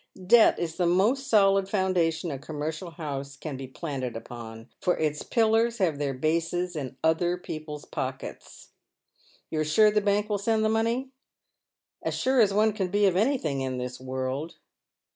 Debt is the most solid foundation a commercial house can be planted upon, for its pillars have their bases in other people's pockets. You're sure the bank will send the money ?" "As sure as one can be of anything in this world."